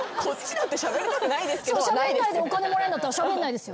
しゃべんないでお金もらえるんだったらしゃべんないですよ。